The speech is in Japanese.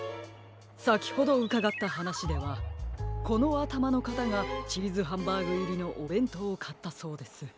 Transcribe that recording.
さきほどうかがったはなしではこのあたまのかたがチーズハンバーグいりのおべんとうをかったそうです。